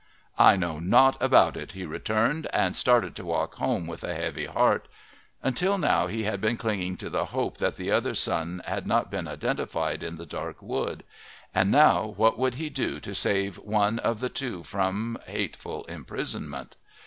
"I know naught about that," he returned, and started to walk home with a heavy heart. Until now he had been clinging to the hope that the other son had not been identified in the dark wood. And now what could he do to save one of the two from hateful imprisonment?